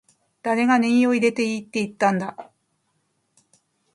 誰がネギを入れていいって言ったんだ